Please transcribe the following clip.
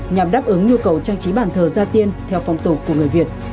nhằm đáp ứng nhu cầu trang trí bàn thờ gia tiên theo phong tục của người việt